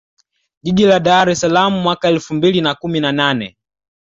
Jiji la Dar es Salaam mwaka elfu mbili na kumi na nane